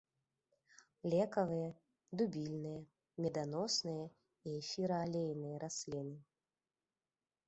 Лекавыя, дубільныя, меданосныя і эфіраалейныя расліны.